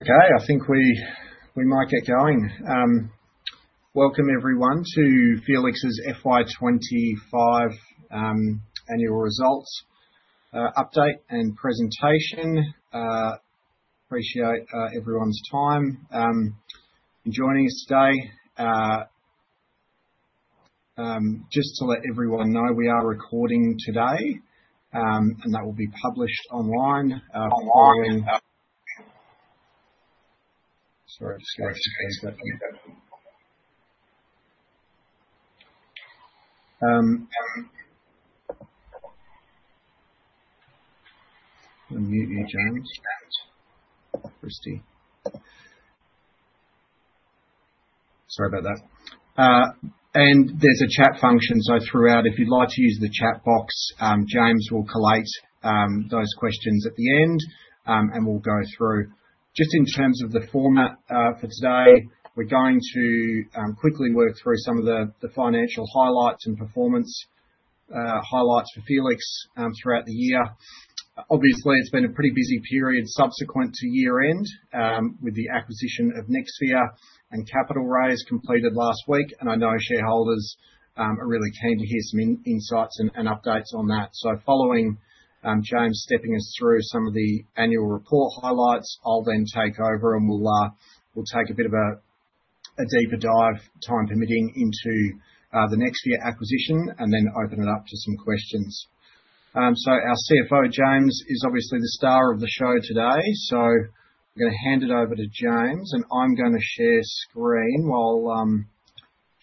Okay, I think we might get going. Welcome, everyone, to Felix's FY25 annual results update and presentation. Appreciate everyone's time and joining us today. Just to let everyone know, we are recording today, and that will be published online. Online. Sorry, I just got a screen slip. I'm going to mute you, James. Sorry about that. There is a chat function, so throughout, if you'd like to use the chat box, James will collate those questions at the end, and we'll go through. Just in terms of the format for today, we're going to quickly work through some of the financial highlights and performance highlights for Felix throughout the year. Obviously, it's been a pretty busy period subsequent to year-end with the acquisition of Nexvia and capital raise completed last week, and I know shareholders are really keen to hear some insights and updates on that. Following James stepping us through some of the annual report highlights, I'll then take over, and we'll take a bit of a deeper dive, time permitting, into the Nexvia acquisition and then open it up to some questions. Our CFO, James, is obviously the star of the show today, so I'm going to hand it over to James, and I'm going to share screen while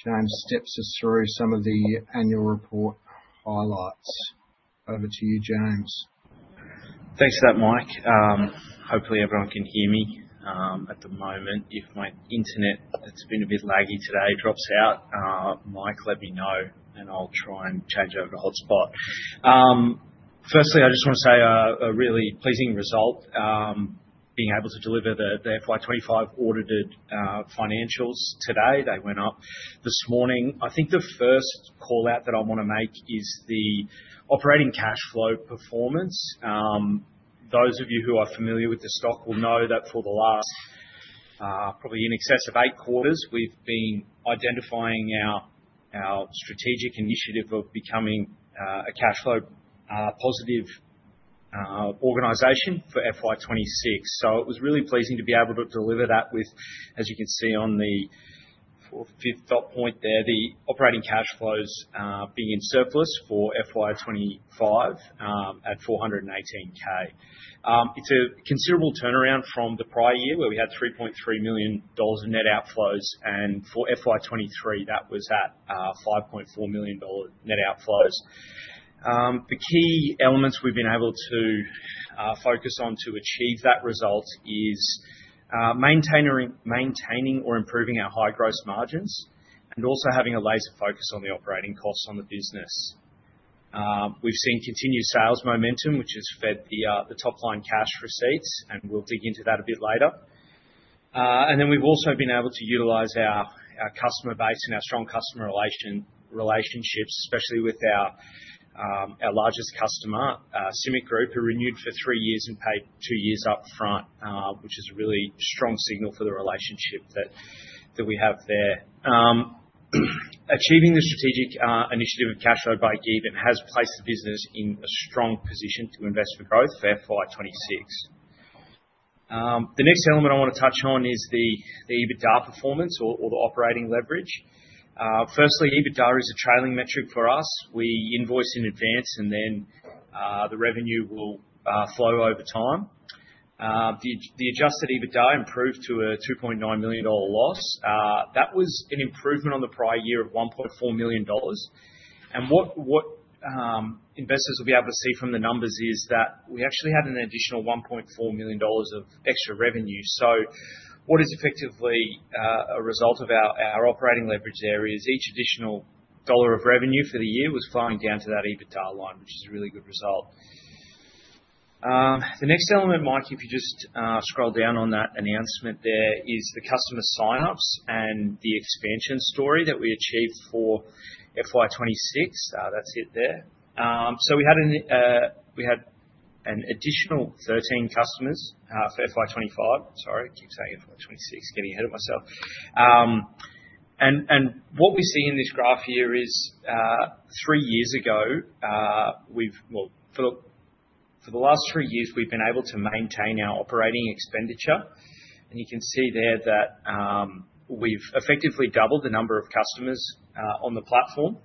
James steps us through some of the annual report highlights. Over to you, James. Thanks for that, Mike. Hopefully, everyone can hear me at the moment. If my internet, it's been a bit laggy today, drops out, Mike, let me know, and I'll try and change over to hotspot. Firstly, I just want to say a really pleasing result, being able to deliver the FY2025 audited financials today. They went up this morning. I think the first callout that I want to make is the operating cash flow performance. Those of you who are familiar with the stock will know that for the last probably in excess of eight quarters, we've been identifying our strategic initiative of becoming a cash flow positive organization for FY2026. It was really pleasing to be able to deliver that with, as you can see on the fourth, fifth dot point there, the operating cash flows being in surplus for FY2025 at 418,000. It's a considerable turnaround from the prior year where we had 3.3 million dollars in net outflows, and for FY2023, that was at 5.4 million dollar net outflows. The key elements we've been able to focus on to achieve that result is maintaining or improving our high gross margins and also having a laser focus on the operating costs on the business. We've seen continued sales momentum, which has fed the top-line cash receipts, and we'll dig into that a bit later. We've also been able to utilize our customer base and our strong customer relationships, especially with our largest customer, CIMIC Group, who renewed for three years and paid two years upfront, which is a really strong signal for the relationship that we have there. Achieving the strategic initiative of cash flow by EBITDA has placed the business in a strong position to invest for growth for FY2026. The next element I want to touch on is the EBITDA performance or the operating leverage. Firstly, EBITDA is a trailing metric for us. We invoice in advance, and then the revenue will flow over time. The Adjusted EBITDA improved to an 2.9 million dollar loss. That was an improvement on the prior year of 1.4 million dollars. What investors will be able to see from the numbers is that we actually had an additional 1.4 million dollars of extra revenue. What is effectively a result of our operating leverage there is each additional dollar of revenue for the year was flowing down to that EBITDA line, which is a really good result. The next element, Mike, if you just scroll down on that announcement there, is the customer sign-ups and the expansion story that we achieved for FY2026. That's it there. We had an additional 13 customers for FY2025. Sorry, keep saying FY2026, getting ahead of myself. What we see in this graph here is three years ago, for the last three years, we've been able to maintain our operating expenditure. You can see there that we've effectively doubled the number of customers on the platform.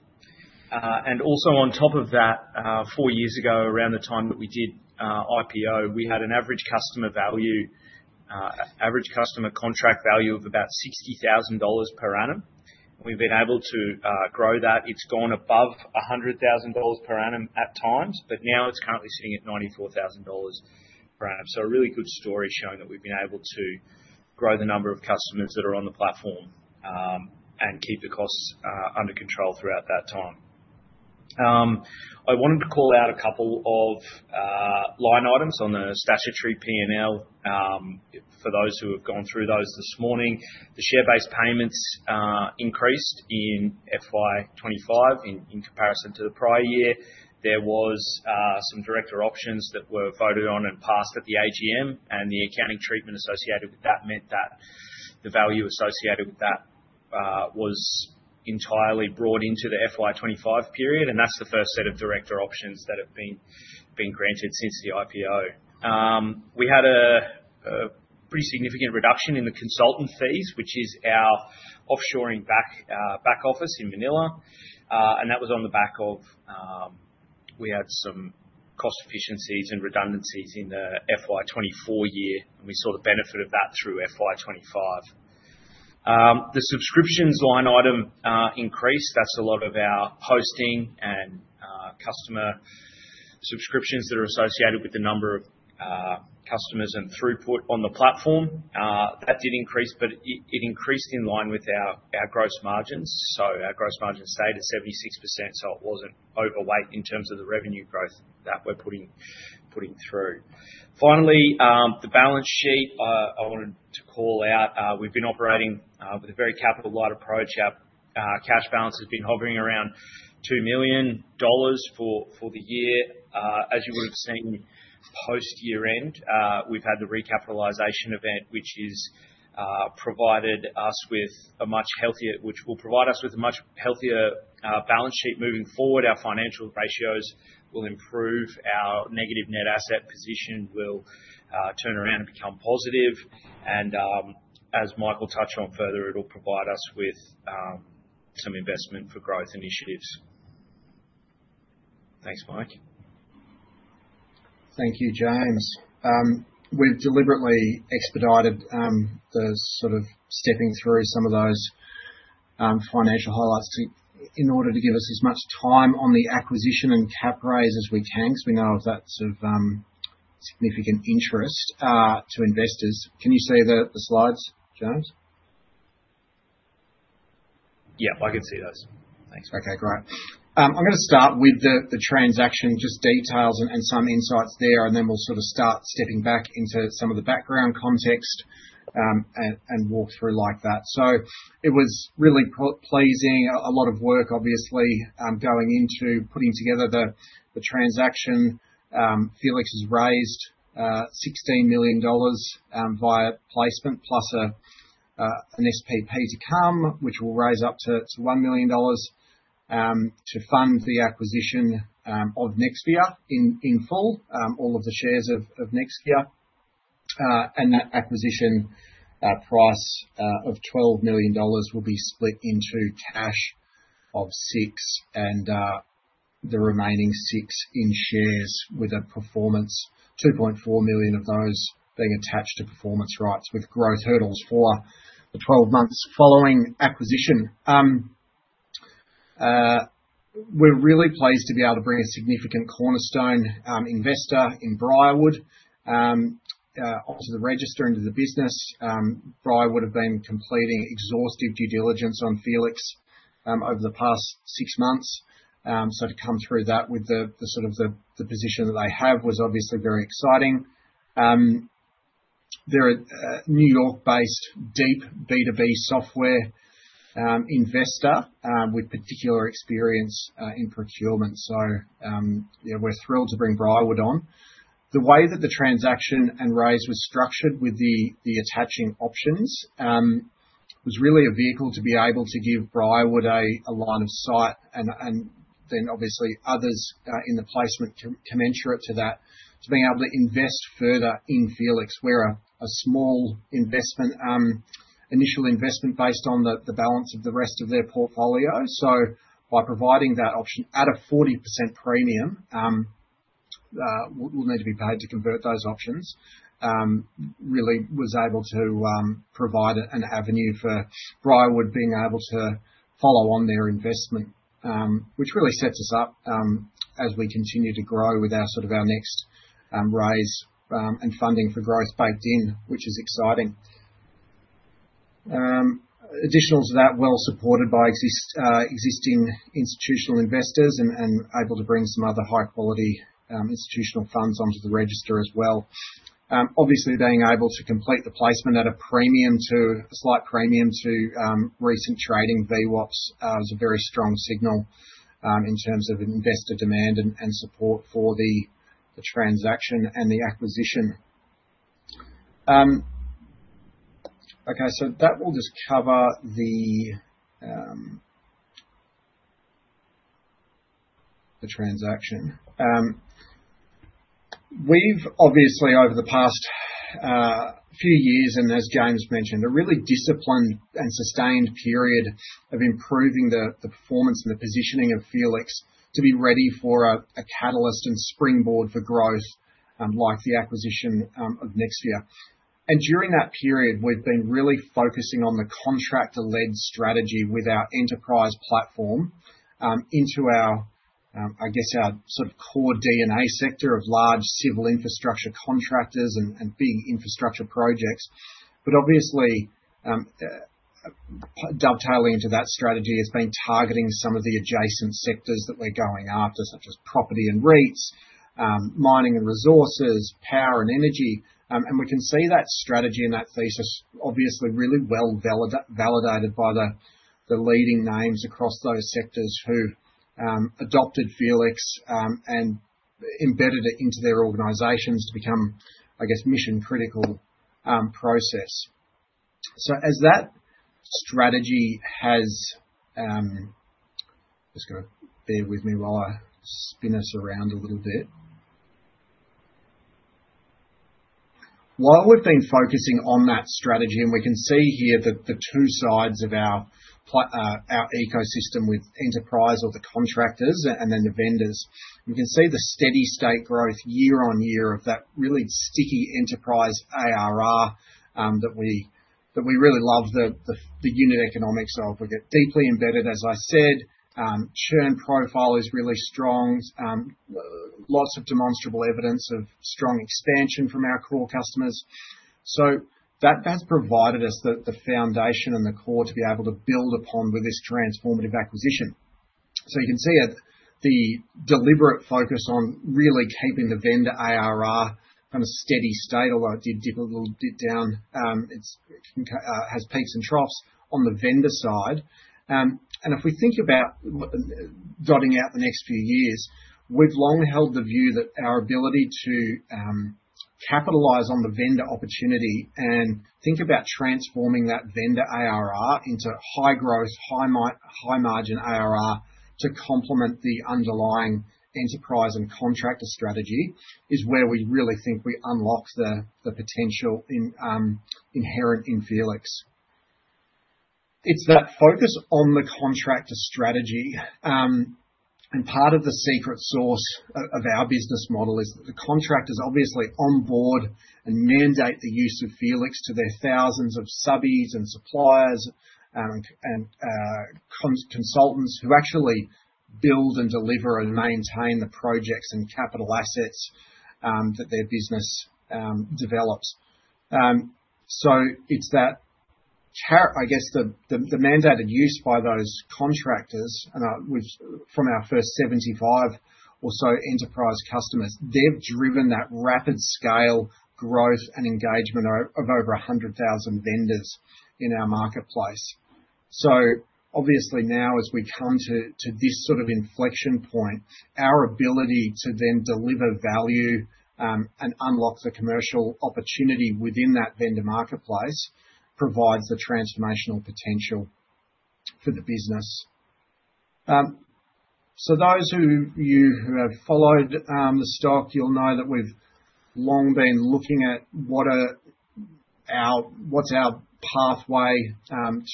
Also, on top of that, four years ago, around the time that we did IPO, we had an average customer value, average customer contract value of about 60,000 dollars per annum. We've been able to grow that. It's gone above 100,000 dollars per annum at times, but now it's currently sitting at 94,000 dollars per annum. A really good story showing that we've been able to grow the number of customers that are on the platform and keep the costs under control throughout that time. I wanted to call out a couple of line items on the statutory P&L. For those who have gone through those this morning, the share-based payments increased in FY25 in comparison to the prior year. There were some director options that were voted on and passed at the AGM, and the accounting treatment associated with that meant that the value associated with that was entirely brought into the FY25 period. That is the first set of director options that have been granted since the IPO. We had a pretty significant reduction in the consultant fees, which is our offshoring back office in Manila. That was on the back of we had some cost efficiencies and redundancies in the FY24 year, and we saw the benefit of that through FY25. The subscriptions line item increased. That is a lot of our hosting and customer subscriptions that are associated with the number of customers and throughput on the platform. That did increase, but it increased in line with our gross margins. Our gross margin stayed at 76%, so it was not overweight in terms of the revenue growth that we are putting through. Finally, the balance sheet I wanted to call out. We have been operating with a very capital-light approach. Our cash balance has been hovering around 2 million dollars for the year. As you would have seen post-year-end, we have had the recapitalization event, which has provided us with a much healthier—which will provide us with a much healthier balance sheet moving forward. Our financial ratios will improve. Our negative net asset position will turn around and become positive. As Michael touched on further, it will provide us with some investment for growth initiatives. Thanks, Mike. Thank you, James. We've deliberately expedited the sort of stepping through some of those financial highlights in order to give us as much time on the acquisition and cap raise as we can because we know that's of significant interest to investors. Can you see the slides, James? Yeah, I can see those. Thanks. Okay, great. I'm going to start with the transaction details and some insights there, and then we'll sort of start stepping back into some of the background context and walk through like that. It was really pleasing. A lot of work, obviously, going into putting together the transaction. Felix has raised 16 million dollars via placement plus an SPP to come, which will raise up to 1 million dollars to fund the acquisition of Nexvia in full, all of the shares of Nexvia. That acquisition price of 12 million dollars will be split into cash of six and the remaining six in shares, with 2.4 million of those being attached to performance rights with growth hurdles for the 12 months following acquisition. We're really pleased to be able to bring a significant cornerstone investor in Briarwood onto the register into the business. Briarwood have been completing exhaustive due diligence on Felix over the past six months. To come through that with the sort of the position that they have was obviously very exciting. They're a New York-based deep B2B software investor with particular experience in procurement. We're thrilled to bring Briarwood on. The way that the transaction and raise was structured with the attaching options was really a vehicle to be able to give Briarwood a line of sight, and then obviously others in the placement commensurate to that, to being able to invest further in Felix. We're a small initial investment based on the balance of the rest of their portfolio. By providing that option at a 40% premium—we'll need to be paid to convert those options—really was able to provide an avenue for Briarwood being able to follow on their investment, which really sets us up as we continue to grow with sort of our next raise and funding for growth baked in, which is exciting. Additional to that, well supported by existing institutional investors and able to bring some other high-quality institutional funds onto the register as well. Obviously, being able to complete the placement at a slight premium to recent trading VWAPs was a very strong signal in terms of investor demand and support for the transaction and the acquisition. Okay, that will just cover the transaction. We've obviously, over the past few years, and as James mentioned, a really disciplined and sustained period of improving the performance and the positioning of Felix to be ready for a catalyst and springboard for growth like the acquisition of Nexvia. During that period, we've been really focusing on the contractor-led strategy with our enterprise platform into our, I guess, our sort of core DNA sector of large civil infrastructure contractors and big infrastructure projects. Obviously, dovetailing into that strategy, it's been targeting some of the adjacent sectors that we're going after, such as property and REITs, mining and resources, power and energy. We can see that strategy and that thesis obviously really well validated by the leading names across those sectors who adopted Felix and embedded it into their organizations to become, I guess, mission-critical process. As that strategy has—just going to bear with me while I spin us around a little bit. While we've been focusing on that strategy, and we can see here that the two sides of our ecosystem with enterprise or the contractors and then the vendors, you can see the steady-state growth year-on-year of that really sticky enterprise ARR that we really love, the unit economics of it. Deeply embedded, as I said, churn profile is really strong. Lots of demonstrable evidence of strong expansion from our core customers. That has provided us the foundation and the core to be able to build upon with this transformative acquisition. You can see the deliberate focus on really keeping the vendor ARR kind of steady state, although it did dip a little bit down. It has peaks and troughs on the vendor side. If we think about jotting out the next few years, we've long held the view that our ability to capitalize on the vendor opportunity and think about transforming that vendor ARR into high-growth, high-margin ARR to complement the underlying enterprise and contractor strategy is where we really think we unlock the potential inherent in Felix. It's that focus on the contractor strategy. Part of the secret sauce of our business model is that the contractors obviously onboard and mandate the use of Felix to their thousands of subbies and suppliers and consultants who actually build and deliver and maintain the projects and capital assets that their business develops. It's that, I guess, the mandated use by those contractors from our first 75 or so enterprise customers, they've driven that rapid scale growth and engagement of over 100,000 vendors in our marketplace. Obviously now, as we come to this sort of inflection point, our ability to then deliver value and unlock the commercial opportunity within that vendor marketplace provides the transformational potential for the business. Those of you who have followed the stock, you'll know that we've long been looking at what's our pathway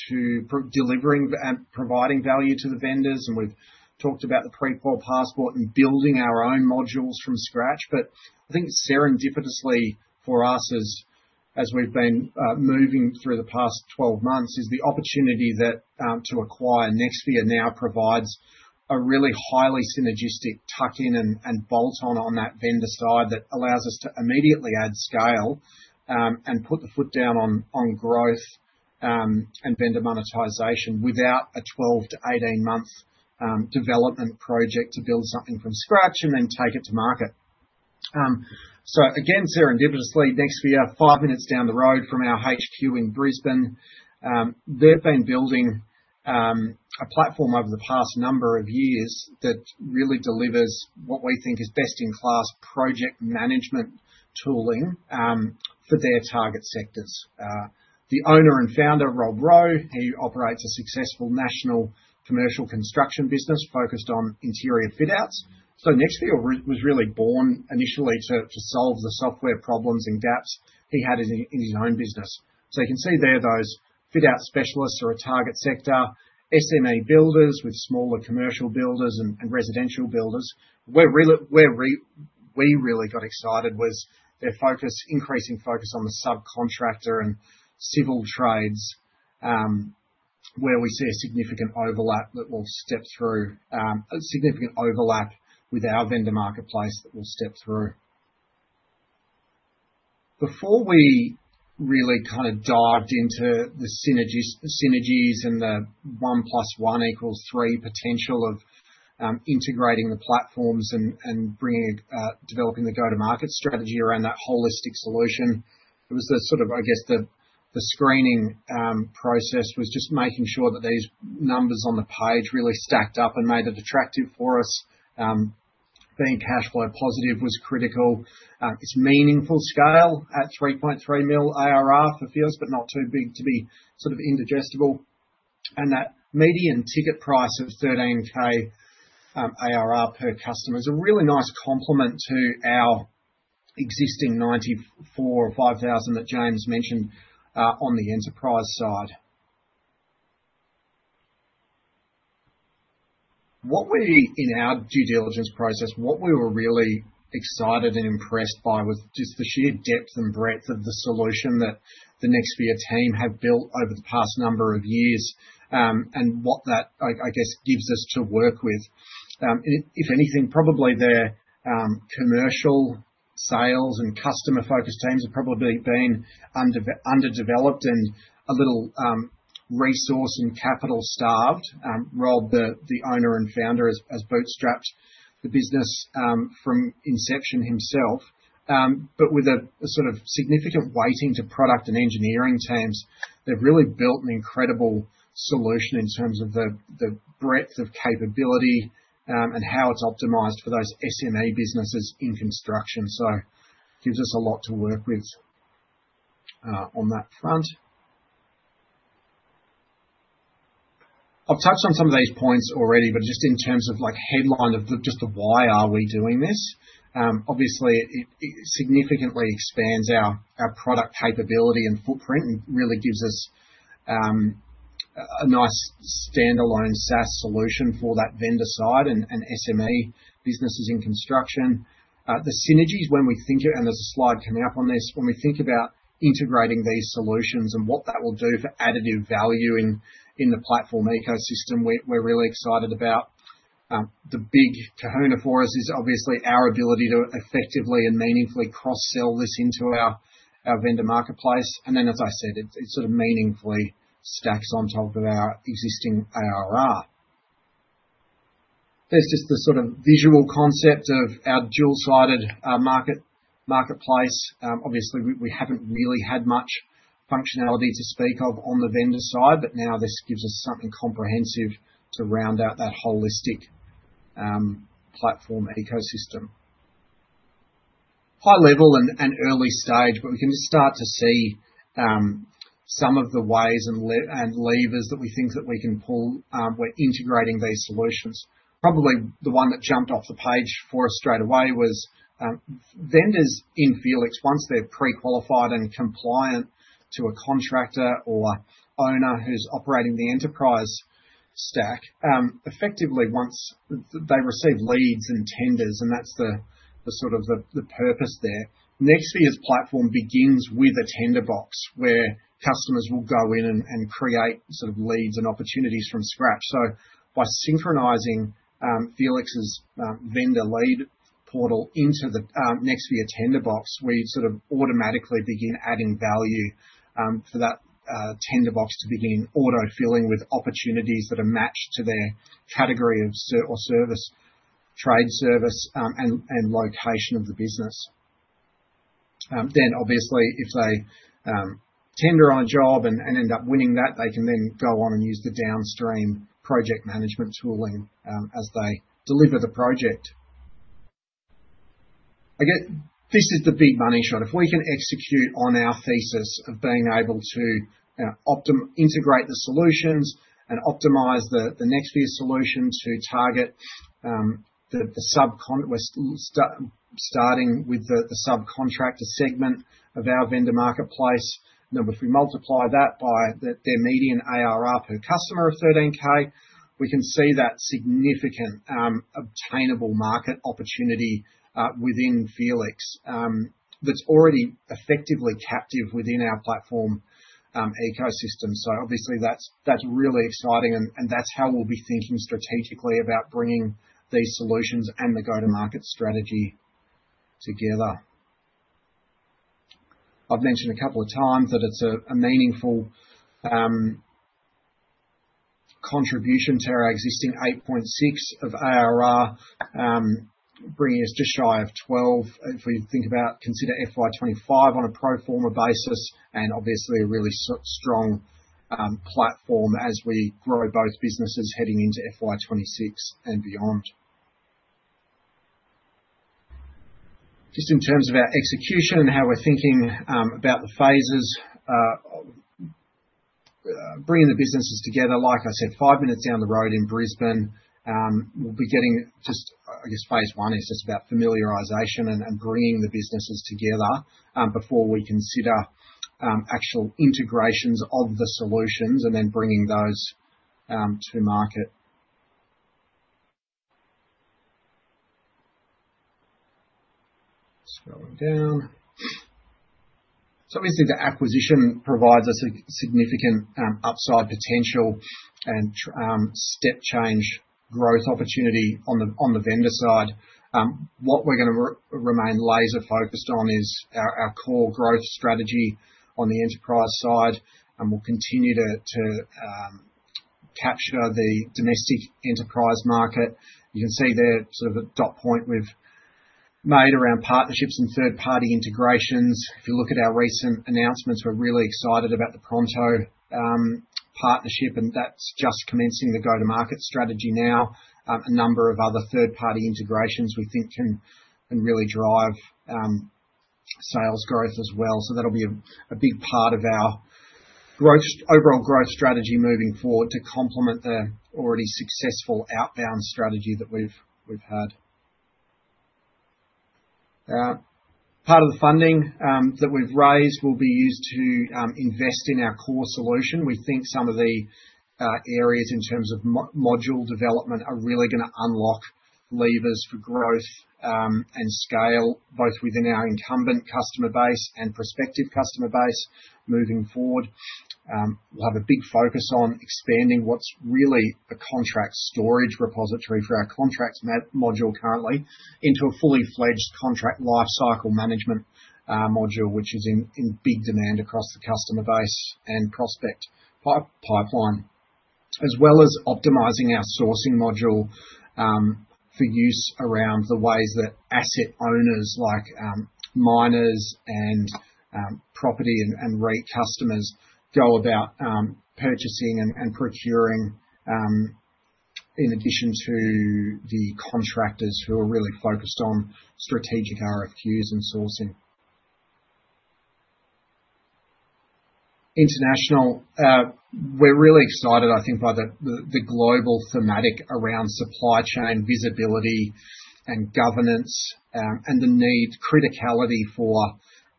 to delivering and providing value to the vendors. We've talked about the Pre-qual Passport and building our own modules from scratch. I think serendipitously for us, as we've been moving through the past 12 months, the opportunity to acquire Nexvia now provides a really highly synergistic tuck-in and bolt-on on that vendor side that allows us to immediately add scale and put the foot down on growth and vendor monetization without a 12-18 month development project to build something from scratch and then take it to market. Again, serendipitously, Nexvia, five minutes down the road from our HQ in Brisbane, they've been building a platform over the past number of years that really delivers what we think is best-in-class project management tooling for their target sectors. The owner and founder, Rob Rowe, he operates a successful national commercial construction business focused on interior fit-outs. Nexvia was really born initially to solve the software problems and gaps he had in his own business. You can see there those fit-out specialists are a target sector, SME builders with smaller commercial builders and residential builders. Where we really got excited was their increasing focus on the subcontractor and civil trades, where we see a significant overlap that will step through, a significant overlap with our vendor marketplace that we will step through. Before we really kind of dived into the synergies and the 1 plus 1 equals 3 potential of integrating the platforms and developing the go-to-market strategy around that holistic solution, it was the sort of, I guess, the screening process was just making sure that these numbers on the page really stacked up and made it attractive for us. Being cash flow positive was critical. It is meaningful scale at 3.3 million ARR for Felix, but not too big to be sort of indigestible. That median ticket price of 13,000 ARR per customer is a really nice complement to our existing 94 or 5,000 that James mentioned on the enterprise side. In our due diligence process, what we were really excited and impressed by was just the sheer depth and breadth of the solution that the Nexvia team have built over the past number of years and what that, I guess, gives us to work with. If anything, probably their commercial sales and customer-focused teams have probably been underdeveloped and a little resource and capital-starved. Rob, the owner and founder, has bootstrapped the business from inception himself. With a sort of significant weighting to product and engineering teams, they've really built an incredible solution in terms of the breadth of capability and how it's optimized for those SME businesses in construction. It gives us a lot to work with on that front. I've touched on some of these points already, but just in terms of headline of just the why are we doing this. Obviously, it significantly expands our product capability and footprint and really gives us a nice standalone SaaS solution for that vendor side and SME businesses in construction. The synergies, when we think of—and there is a slide coming up on this—when we think about integrating these solutions and what that will do for additive value in the platform ecosystem, we are really excited about. The big kahuna for us is obviously our ability to effectively and meaningfully cross-sell this into our vendor marketplace. As I said, it sort of meaningfully stacks on top of our existing ARR. There is just the sort of visual concept of our dual-sided marketplace. Obviously, we have not really had much functionality to speak of on the vendor side, but now this gives us something comprehensive to round out that holistic platform ecosystem. High level and early stage, but we can just start to see some of the ways and levers that we think that we can pull when integrating these solutions. Probably the one that jumped off the page for us straight away was vendors in Felix, once they're pre-qualified and compliant to a contractor or owner who's operating the enterprise stack, effectively once they receive leads and tenders, and that's the sort of the purpose there. Nexvia's platform begins with a tender box where customers will go in and create sort of leads and opportunities from scratch. By synchronizing Felix's vendor lead portal into the Nexvia tender box, we sort of automatically begin adding value for that tender box to begin auto-filling with opportunities that are matched to their category of service, trade service, and location of the business. Obviously, if they tender on a job and end up winning that, they can then go on and use the downstream project management tooling as they deliver the project. This is the big money shot. If we can execute on our thesis of being able to integrate the solutions and optimize the Nexvia solution to target the starting with the subcontractor segment of our vendor marketplace, then if we multiply that by their median ARR per customer of 13,000, we can see that significant obtainable market opportunity within Felix that's already effectively captive within our platform ecosystem. Obviously, that's really exciting, and that's how we'll be thinking strategically about bringing these solutions and the go-to-market strategy together. I've mentioned a couple of times that it's a meaningful contribution to our existing 8.6 million of ARR, bringing us just shy of 12 million if we think about, consider FY2025 on a pro forma basis, and obviously a really strong platform as we grow both businesses heading into FY2026 and beyond. Just in terms of our execution and how we're thinking about the phases, bringing the businesses together, like I said, five minutes down the road in Brisbane, we'll be getting just, I guess, Phase I is just about familiarization and bringing the businesses together before we consider actual integrations of the solutions and then bringing those to market. Scrolling down. Obviously, the acquisition provides us a significant upside potential and step change growth opportunity on the vendor side. What we're going to remain laser-focused on is our core growth strategy on the enterprise side, and we'll continue to capture the domestic enterprise market. You can see there sort of a dot point we've made around partnerships and third-party integrations. If you look at our recent announcements, we're really excited about the Pronto partnership, and that's just commencing the go-to-market strategy now. A number of other third-party integrations we think can really drive sales growth as well. That'll be a big part of our overall growth strategy moving forward to complement the already successful outbound strategy that we've had. Part of the funding that we've raised will be used to invest in our core solution. We think some of the areas in terms of module development are really going to unlock levers for growth and scale both within our incumbent customer base and prospective customer base moving forward. We'll have a big focus on expanding what's really a contract storage repository for our contracts module currently into a fully-fledged Contract Lifecycle Management module, which is in big demand across the customer base and prospect pipeline, as well as optimizing our sourcing module for use around the ways that asset owners like miners and property and REIT customers go about purchasing and procuring in addition to the contractors who are really focused on strategic RFQs and sourcing. International, we're really excited, I think, by the global thematic around supply chain visibility and governance and the need, criticality for,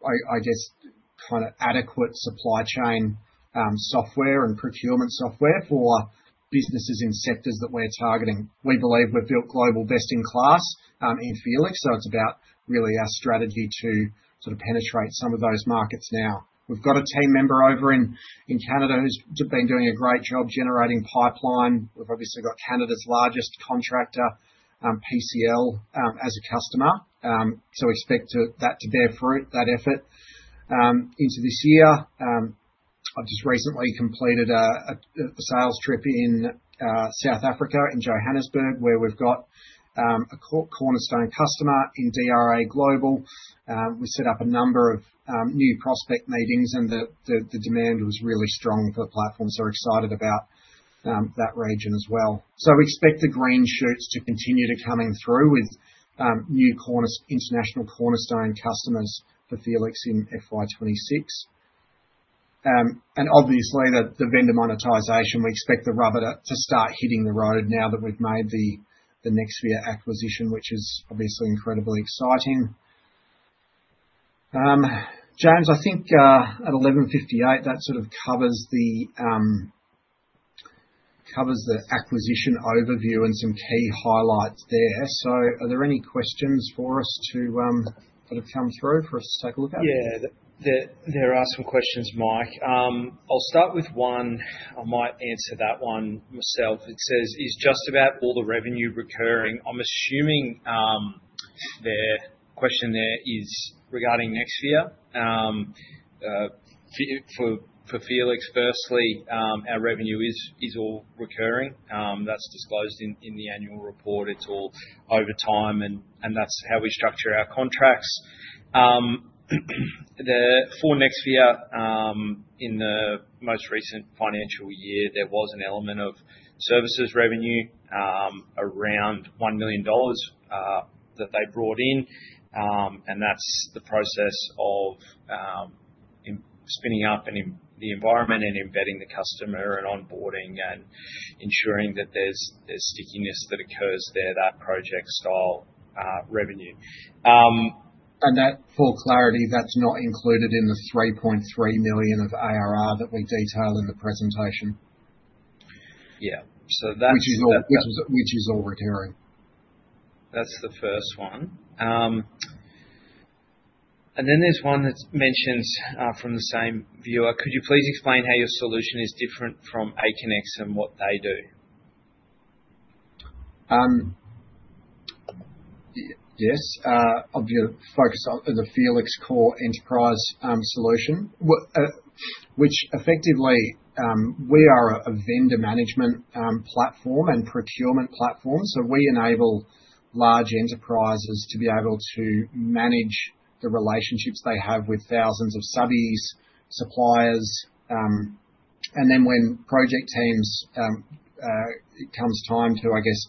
I guess, kind of adequate supply chain software and procurement software for businesses in sectors that we're targeting. We believe we've built global best-in-class in Felix, so it's about really our strategy to sort of penetrate some of those markets now. We've got a team member over in Canada who's been doing a great job generating pipeline. We've obviously got Canada's largest contractor, PCL, as a customer, so we expect that to bear fruit, that effort into this year. I've just recently completed a sales trip in South Africa in Johannesburg, where we've got a cornerstone customer in DRA Global. We set up a number of new prospect meetings, and the demand was really strong for the platform, so we're excited about that region as well. We expect the green shoots to continue to come in through with new international cornerstone customers for Felix in FY2026. Obviously, the vendor monetisation, we expect the rubber to start hitting the road now that we've made the Nexvia acquisition, which is obviously incredibly exciting. James, I think at 11:58, that sort of covers the acquisition overview and some key highlights there. Are there any questions for us to sort of come through for us to take a look at? Yeah, there are some questions, Mike. I'll start with one. I might answer that one myself. It says, "Is just about all the revenue recurring?" I'm assuming the question there is regarding Nexvia. For Felix, firstly, our revenue is all recurring. That's disclosed in the annual report. It's all over time, and that's how we structure our contracts. For Nexvia, in the most recent financial year, there was an element of services revenue around 1 million dollars that they brought in, and that's the process of spinning up in the environment and embedding the customer and onboarding and ensuring that there's stickiness that occurs there, that project-style revenue. For clarity, that's not included in the 3.3 million of ARR that we detail in the presentation. Yeah. That's the first one. Which is all recurring. That's the first one. Then there's one that's mentioned from the same viewer. "Could you please explain how your solution is different from Aconex and what they do?" Yes. Our focus on the Felix Core Enterprise Solution, which effectively we are a vendor management platform and procurement platform. We enable large enterprises to be able to manage the relationships they have with thousands of subbies, suppliers. When project teams—it comes time to, I guess,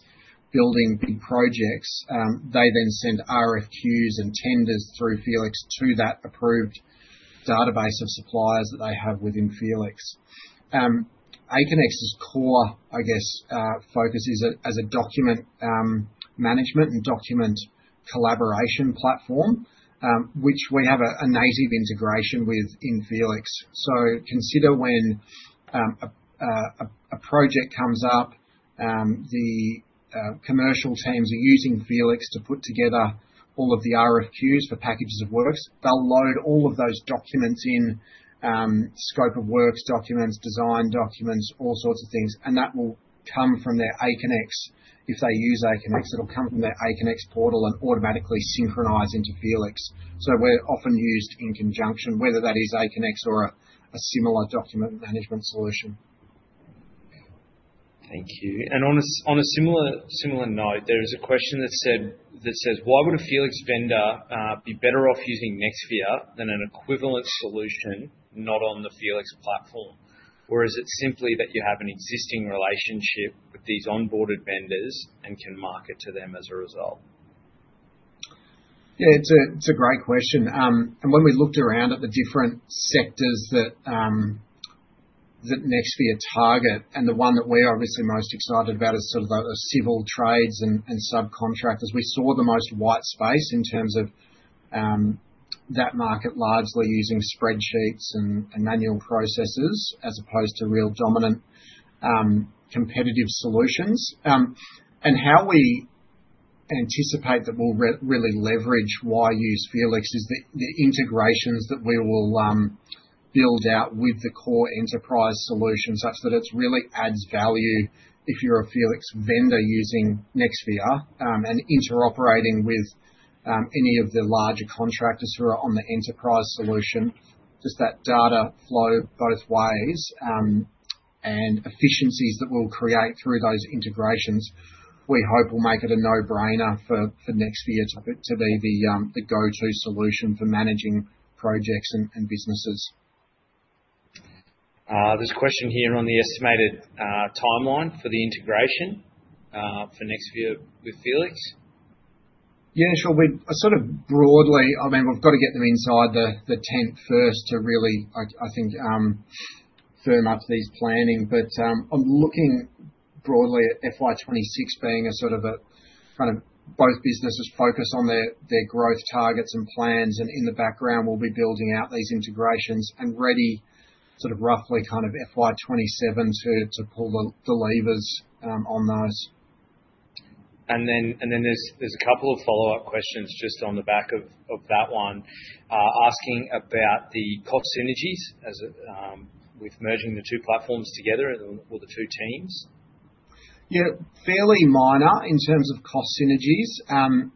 building big projects—they then send RFQs and tenders through Felix to that approved database of suppliers that they have within Felix. Aconex's core, I guess, focus is as a document management and document collaboration platform, which we have a native integration with in Felix. Consider when a project comes up, the commercial teams are using Felix to put together all of the RFQs for packages of works. They'll load all of those documents in, scope of works documents, design documents, all sorts of things. That will come from their Aconex. If they use Aconex, it'll come from their Aconex portal and automatically synchronise into Felix. We're often used in conjunction, whether that is Aconex or a similar document management solution. Thank you. On a similar note, there is a question that says, "Why would a Felix vendor be better off using Nexvia than an equivalent solution not on the Felix platform? Or is it simply that you have an existing relationship with these onboarded vendors and can market to them as a result?" Yeah, it's a great question. When we looked around at the different sectors that Nexvia target, and the one that we're obviously most excited about is sort of the civil trades and subcontractors, we saw the most white space in terms of that market largely using spreadsheets and manual processes as opposed to real dominant competitive solutions. How we anticipate that we'll really leverage why use Felix is the integrations that we will build out with the core enterprise solution such that it really adds value if you're a Felix vendor using Nexvia and interoperating with any of the larger contractors who are on the enterprise solution. Just that data flow both ways and efficiencies that we'll create through those integrations, we hope will make it a no-brainer for Nexvia to be the go-to solution for managing projects and businesses. There's a question here on the estimated timeline for the integration for Nexvia with Felix. Yeah, sure. I mean, we've got to get them inside the tent first to really, I think, firm up these planning. I'm looking broadly at FY2026 being a sort of kind of both businesses focus on their growth targets and plans, and in the background, we'll be building out these integrations and ready sort of roughly kind of FY2027 to pull the levers on those. There's a couple of follow-up questions just on the back of that, one asking about the cost synergies with merging the two platforms together or the two teams. Yeah, fairly minor in terms of cost synergies.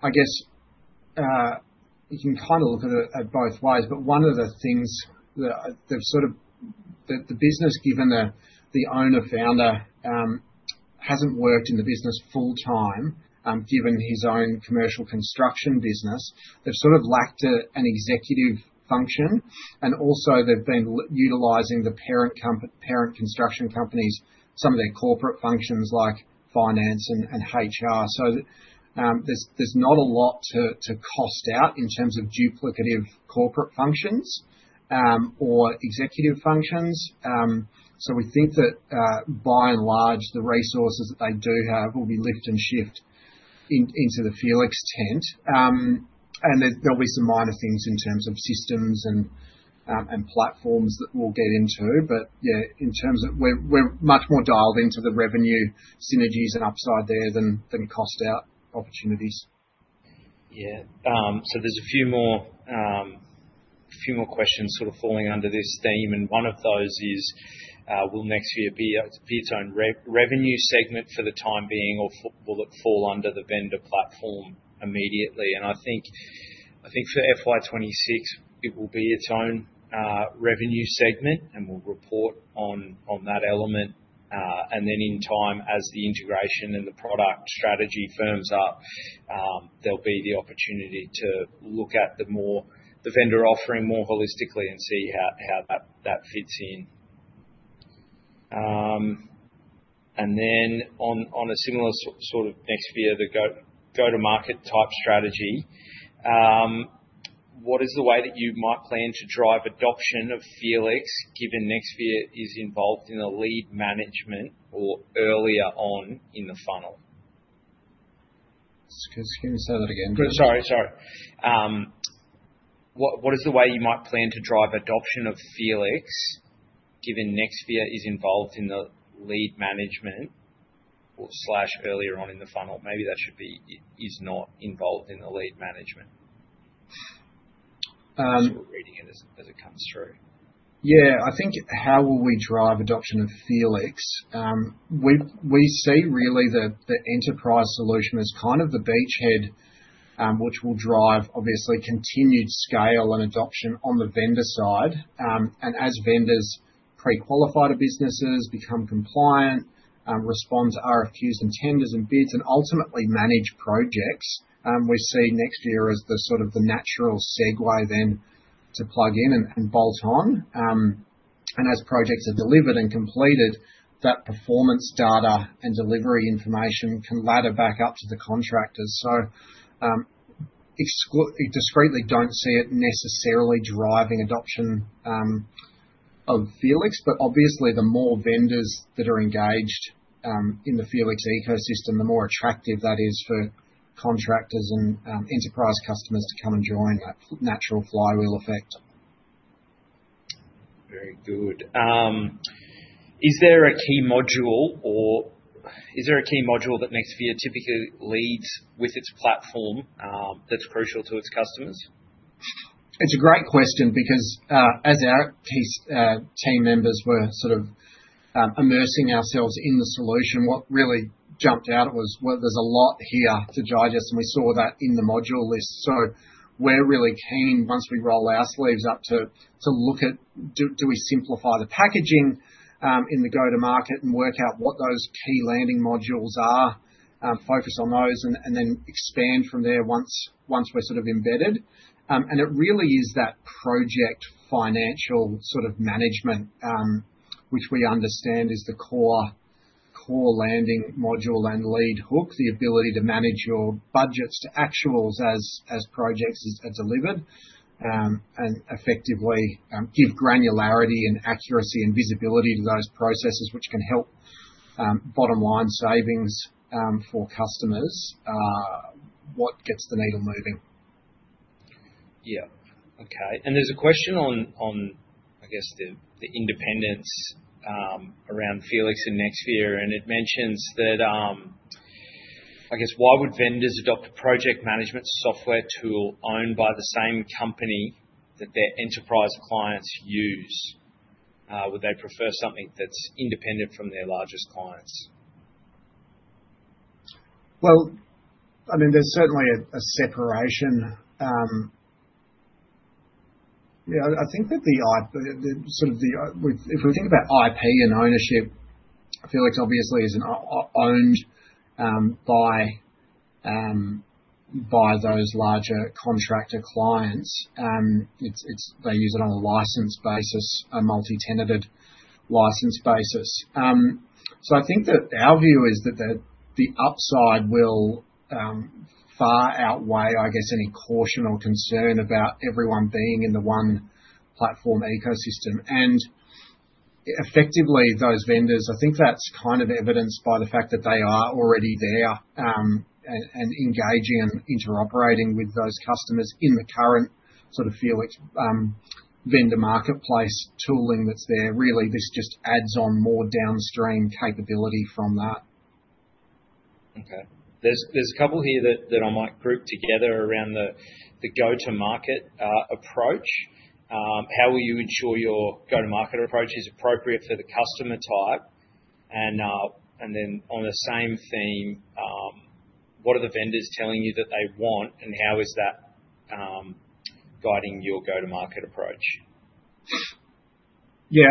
I guess you can kind of look at it both ways, but one of the things that sort of the business, given the owner-founder, hasn't worked in the business full-time given his own commercial construction business. They’ve sort of lacked an executive function, and also they’ve been utilizing the parent construction companies, some of their corporate functions like finance and HR. There’s not a lot to cost out in terms of duplicative corporate functions or executive functions. We think that by and large, the resources that they do have will be lift and shift into the Felix tent. There’ll be some minor things in terms of systems and platforms that we’ll get into. Yeah, in terms of we’re much more dialed into the revenue synergies and upside there than cost-out opportunities. Yeah. There's a few more questions sort of falling under this theme, and one of those is, will Nexvia be its own revenue segment for the time being, or will it fall under the vendor platform immediately? I think for FY2026, it will be its own revenue segment, and we'll report on that element. In time, as the integration and the product strategy firms up, there'll be the opportunity to look at the vendor offering more holistically and see how that fits in. On a similar sort of Nexvia, the go-to-market type strategy, what is the way that you might plan to drive adoption of Felix given Nexvia is involved in the lead management or earlier on in the funnel? Can you say that again? Sorry, sorry. What is the way you might plan to drive adoption of Felix given Nexvia is involved in the lead management, earlier on in the funnel? Maybe that should be is not involved in the lead management. Just reading it as it comes through. Yeah. I think how will we drive adoption of Felix? We see really that the enterprise solution is kind of the beachhead, which will drive obviously continued scale and adoption on the vendor side. As vendors pre-qualify, the businesses become compliant, respond to RFQs and tenders and bids, and ultimately manage projects, we see Nexvia as sort of the natural segue then to plug in and bolt on. As projects are delivered and completed, that performance data and delivery information can ladder back up to the contractors. I discreetly do not see it necessarily driving adoption of Felix, but obviously the more vendors that are engaged in the Felix ecosystem, the more attractive that is for contractors and enterprise customers to come and join that natural flywheel effect. Very good. Is there a key module, or is there a key module that Nexvia typically leads with its platform that is crucial to its customers? It is a great question because as our team members were sort of immersing ourselves in the solution, what really jumped out was there is a lot here to judge, and we saw that in the module list. We are really keen once we roll our sleeves up to look at, do we simplify the packaging in the go-to-market and work out what those key landing modules are, focus on those, and then expand from there once we are sort of embedded. It really is that project financial sort of management, which we understand is the core landing module and lead hook, the ability to manage your budgets to actuals as projects are delivered and effectively give granularity and accuracy and visibility to those processes, which can help bottom-line savings for customers, what gets the needle moving. Yeah. Okay. There is a question on, I guess, the independence around Felix and Nexvia, and it mentions that, I guess, why would vendors adopt a project management software tool owned by the same company that their enterprise clients use? Would they prefer something that's independent from their largest clients? I mean, there is certainly a separation. Yeah, I think that the sort of if we think about IP and ownership, Felix obviously is owned by those larger contractor clients. They use it on a license basis, a multi-tenanted license basis. I think that our view is that the upside will far outweigh, I guess, any caution or concern about everyone being in the one platform ecosystem. Effectively, those vendors, I think that's kind of evidenced by the fact that they are already there and engaging and interoperating with those customers in the current sort of Felix vendor marketplace tooling that's there. Really, this just adds on more downstream capability from that. Okay. There's a couple here that I might group together around the go-to-market approach. How will you ensure your go-to-market approach is appropriate for the customer type? And then on the same theme, what are the vendors telling you that they want, and how is that guiding your go-to-market approach? Yeah.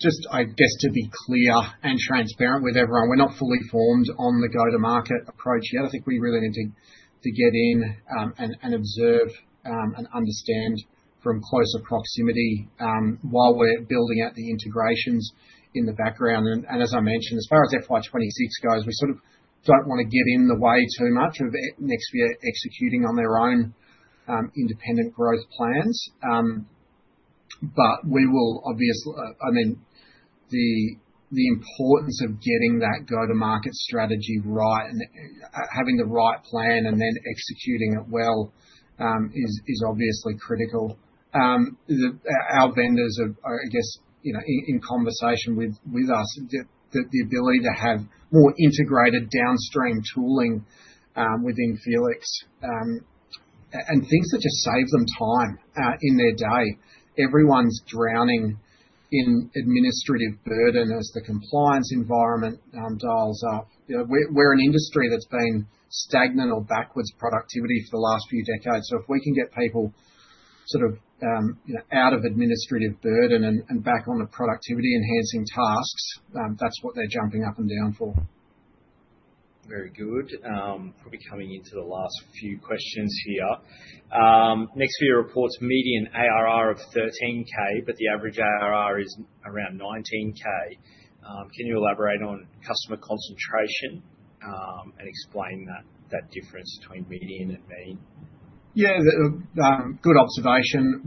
Just, I guess to be clear and transparent with everyone, we're not fully formed on the go-to-market approach yet. I think we really need to get in and observe and understand from closer proximity while we're building out the integrations in the background. As I mentioned, as far as FY2026 goes, we sort of don't want to get in the way too much of Nexvia executing on their own independent growth plans. We will obviously, I mean, the importance of getting that go-to-market strategy right and having the right plan and then executing it well is obviously critical. Our vendors are, I guess, in conversation with us, the ability to have more integrated downstream tooling within Felix and things that just save them time in their day. Everyone's drowning in administrative burden as the compliance environment dials up. We're an industry that's been stagnant or backwards productivity for the last few decades. If we can get people sort of out of administrative burden and back on the productivity-enhancing tasks, that's what they're jumping up and down for. Very good. Probably coming into the last few questions here. Nexvia reports median ARR of 13,000, but the average ARR is around 19,000. Can you elaborate on customer concentration and explain that difference between median and mean? Yeah, good observation.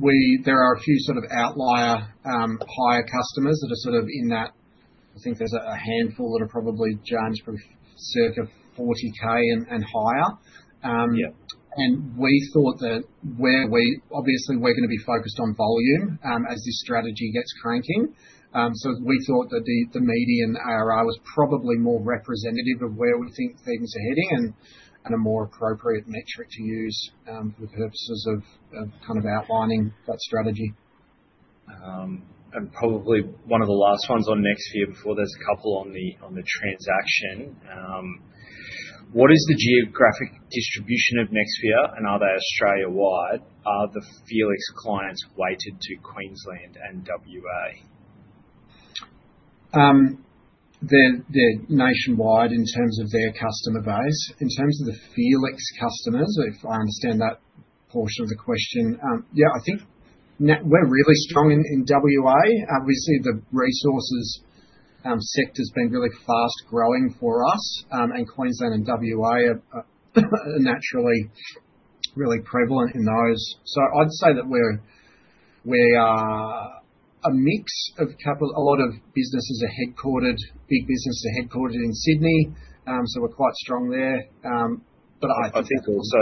There are a few sort of outlier higher customers that are sort of in that. I think there's a handful that are probably jams, probably circa 40,000 and higher. We thought that where we obviously we're going to be focused on volume as this strategy gets cranking. We thought that the median ARR was probably more representative of where we think things are heading and a more appropriate metric to use for the purposes of kind of outlining that strategy. Probably one of the last ones on Nexvia before there's a couple on the transaction. What is the geographic distribution of Nexvia, and are they Australia-wide? Are the Felix clients weighted to Queensland and WA? They're nationwide in terms of their customer base. In terms of the Felix customers, if I understand that portion of the question, yeah, I think we're really strong in WA. We see the resources sector has been really fast growing for us, and Queensland and WA are naturally really prevalent in those. I'd say that we're a mix of capital. A lot of businesses are headquartered, big businesses are headquartered in Sydney, so we're quite strong there. I think also,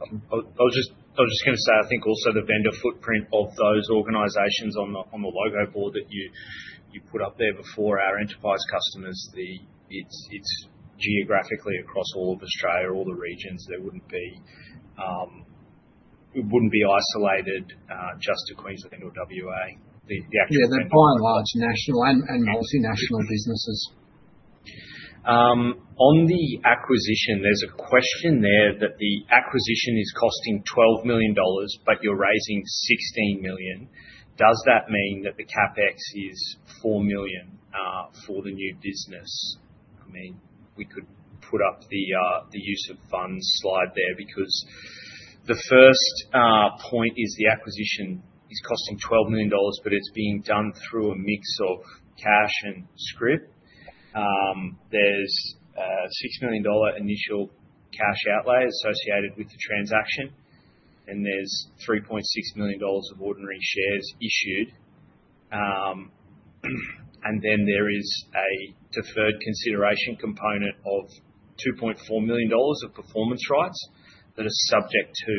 I was just going to say, I think also the vendor footprint of those organizations on the logo board that you put up there before our enterprise customers, it's geographically across all of Australia, all the regions. It wouldn't be isolated just to Queensland or WA. The actual thing. Yeah, they're by and large national and multinational businesses. On the acquisition, there's a question there that the acquisition is costing 12 million dollars, but you're raising 16 million. Does that mean that the CapEx is 4 million for the new business? I mean, we could put up the use of funds slide there because the first point is the acquisition is costing 12 million dollars, but it's being done through a mix of cash and script. There's a 6 million dollar initial cash outlay associated with the transaction, and there's 3.6 million dollars of ordinary shares issued. There is a deferred consideration component of 2.4 million dollars of performance rights that are subject to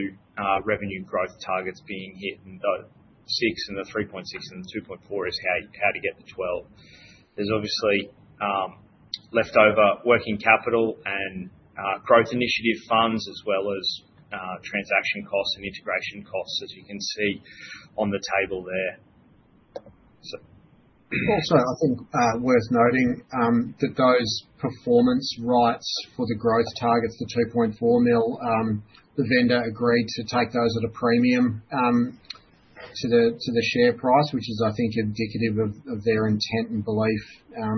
revenue growth targets being hit, and the 6 and the 3.6 and the 2.4 is how to get the 12. There is obviously leftover working capital and growth initiative funds as well as transaction costs and integration costs, as you can see on the table there. Also, I think worth noting that those performance rights for the growth targets, the 2.4 million, the vendor agreed to take those at a premium to the share price, which is, I think, indicative of their intent and belief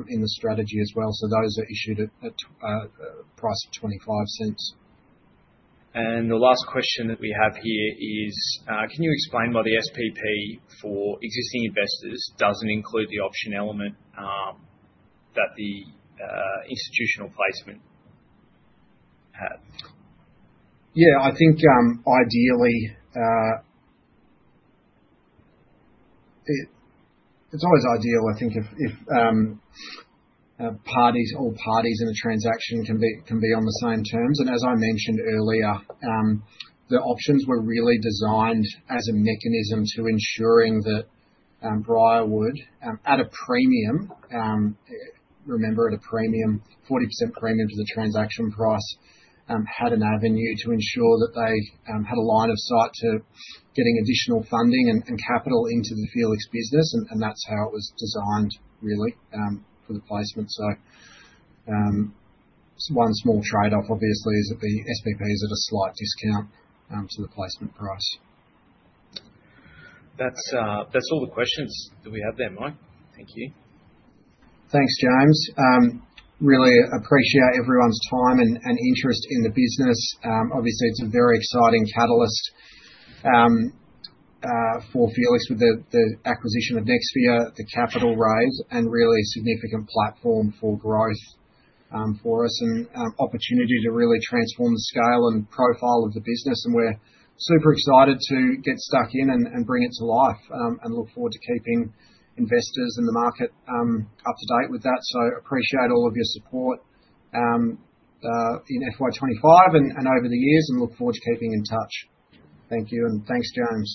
in the strategy as well. Those are issued at a price of 0.25. The last question that we have here is, can you explain why the SPP for existing investors does not include the option element that the institutional placement had? Yeah, I think ideally, it's always ideal, I think, if all parties in the transaction can be on the same terms. As I mentioned earlier, the options were really designed as a mechanism to ensuring that Briarwood, at a premium, remember, at a premium, 40% premium to the transaction price, had an avenue to ensure that they had a line of sight to getting additional funding and capital into the Felix business. That's how it was designed, really, for the placement. One small trade-off, obviously, is that the SPP is at a slight discount to the placement price. That's all the questions that we have there, Mike. Thank you. Thanks, James. Really appreciate everyone's time and interest in the business. Obviously, it's a very exciting catalyst for Felix with the acquisition of Nexvia, the capital raise, and really significant platform for growth for us and opportunity to really transform the scale and profile of the business. We're super excited to get stuck in and bring it to life and look forward to keeping investors in the market up to date with that. I appreciate all of your support in FY2025 and over the years, and look forward to keeping in touch. Thank you, and thanks, James.